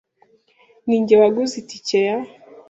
Ninjye waguze itike ya .